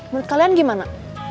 menurut kalian gimana